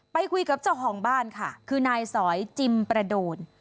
ไปคุยกับเจ้าของบ้านค่ะคือนายสอยจิมประโดน